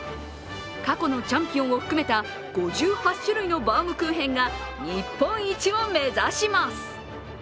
過去のチャンピオンを含めた５８種類のバウムクーヘンが日本一を目指します。